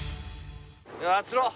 あ釣ろう。